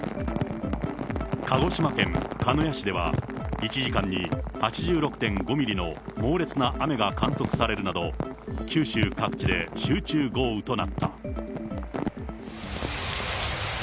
鹿児島県鹿屋市では、１時間に８６．５ミリの猛烈な雨が観測されるなど、九州各地で集中豪雨となった。